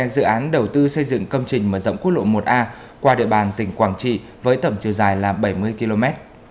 dự án đầu tư xây dựng công trình mở rộng quốc lộ một a qua địa bàn tỉnh quảng trị với tổng chiều dài là bảy mươi km